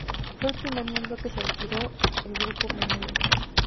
Fue el primer miembro que se retiró el grupo Menudo.